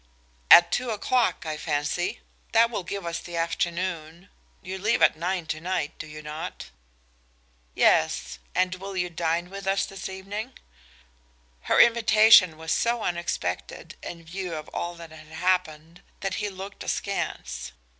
"At two o'clock, I fancy. That will give us the afternoon. You leave at nine to night, do you not?" "Yes. And will you dine with us this evening?" Her invitation was so unexpected, in view of all that had happened, that he looked askance.